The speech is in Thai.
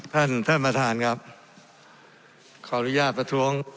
ท่านประธานท่านประธานครับขออนุญาตประท้วง